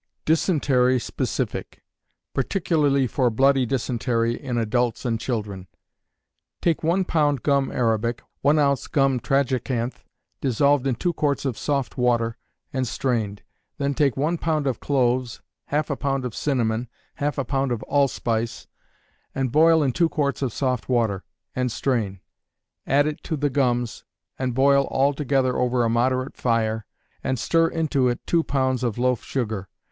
Dysentery Specific, (particularly for bloody dysentery in Adults and Children.) Take one pound gum arabic, one ounce gum tragacanth, dissolved in two quarts of soft water, and strained. Then take one pound of cloves, half a pound of cinnamon, half a pound allspice, and boil in two quarts of soft water, and strain. Add it to the gums, and boil all together over a moderate fire, and stir into it two pounds of loaf sugar.